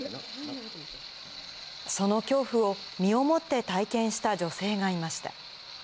その恐怖を、身をもって体験した女性がいました。